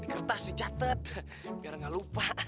di kertas dicatet biar gak lupa